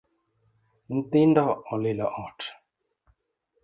Nythindo olilo ot